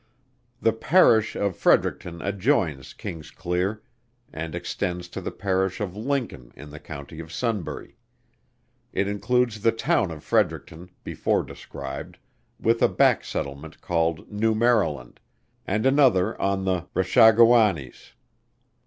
The Parish of Fredericton adjoins Kingsclear, and extends to the Parish of Lincoln in the County of Sunbury. It includes the town of Fredericton, before described, with a back settlement called New Maryland, and another on the Rushagoannes.